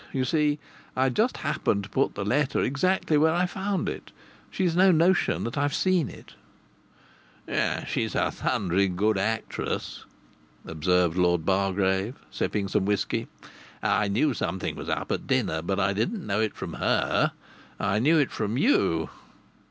You see, I'd just happened to put the letter exactly where I found it. She's no notion that I've seen it." "She's a thundering good actress!" observed Lord Bargrave, sipping some whisky. "I knew something was up at dinner, but I didn't know it from her: I knew it from you."